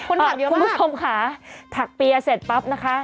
คนถามเยอะมากคุณผู้ชมค่ะถักเปียร์เสร็จปั๊บนะคะ